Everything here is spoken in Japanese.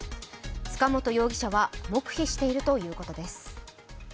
塚本容疑者は黙秘しているということです。